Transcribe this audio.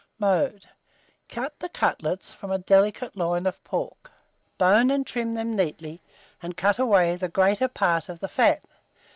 Mode. Cut the cutlets from a delicate loin of pork, bone and trim them neatly, and cut away the greater portion of the fat.